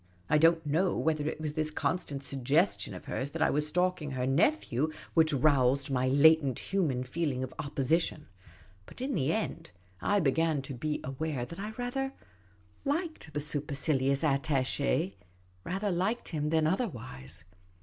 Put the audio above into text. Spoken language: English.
I don't know whether it was this constant suggestion of hers that I was stalking her nephew which roused my latent human feeling of opposition ; but in the end, I began to be aware that I rather liked the supercilious attache than other wise.